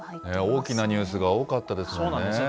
大きなニュースが多かったですもんね。